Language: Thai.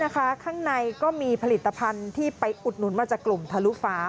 ข้างในก็มีผลิตภัณฑ์ที่ไปอุดหนุนมาจากกลุ่มทะลุฟ้า